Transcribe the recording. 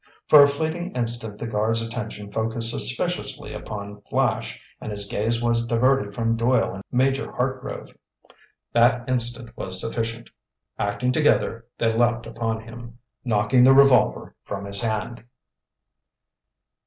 For a fleeting instant the guard's attention focused suspiciously upon Flash, and his gaze was diverted from Doyle and Major Hartgrove. That instant was sufficient. Acting together, they leaped upon him, knocking the revolver from his hand.